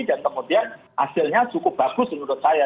dan kemudian hasilnya cukup bagus menurut saya